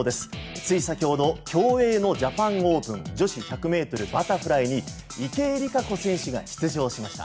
つい先ほど競泳のジャパンオープン女子１００ｍバタフライに池江璃花子選手が出場しました。